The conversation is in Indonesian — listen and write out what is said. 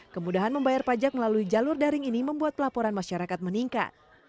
kemudahan membayar pajak melalui jalur daring ini membuat pelaporan masyarakat meningkat